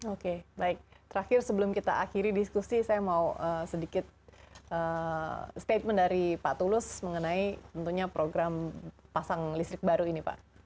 oke baik terakhir sebelum kita akhiri diskusi saya mau sedikit statement dari pak tulus mengenai tentunya program pasang listrik baru ini pak